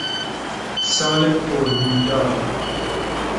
سال پر رویداد